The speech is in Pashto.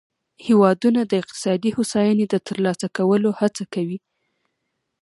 هیوادونه د اقتصادي هوساینې د ترلاسه کولو هڅه کوي